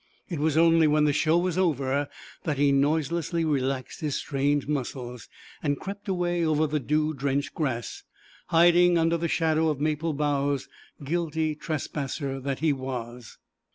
It was only when the show was over that he noiselessly relaxed his strained muscles, and crept away over the dew drenched grass, hiding under the shadow of maple boughs, guilty trespasser that he was.